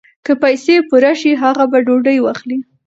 که پیسې پوره شي هغه به ډوډۍ واخلي.